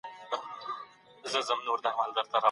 ښوونکي بايد خپلو شاګردانو ته د نېکۍ درس ورکړي.